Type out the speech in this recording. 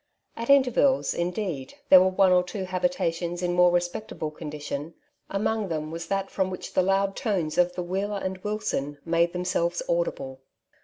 At intervals, indeed, there were one or two habitations in more respectable condition; among them was that from which the loud tones of the "Wheeler and Wilson" made themselves audible.